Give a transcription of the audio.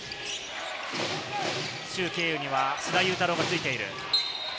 シュウ・ケイウには須田侑太郎がついている。